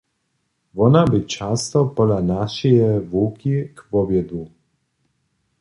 Wona bě často pola našeje wowki k wobjedu.